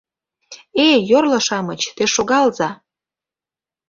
Эй, йорло-шамыч, те шогалза